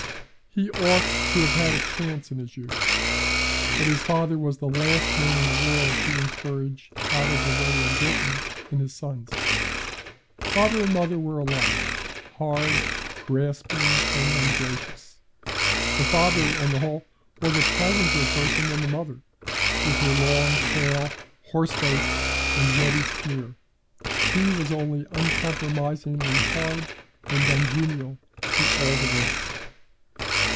He ought to have had a chance in his youth, but his father was the last man in the world to encourage out of the way ambitions in his sons. Father and mother were alike hard, grasping, and ungracious. The father, on the whole, was a pleasanter person than the mother, with her long, pale, horse face and ready sneer; he was only uncompromisingly hard and ungenial to all the world.